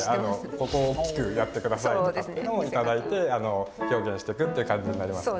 ここを大きくやってくださいとかっていうのを頂いて表現していくっていう感じになりますね。